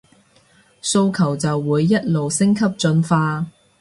訴求就會一路升級進化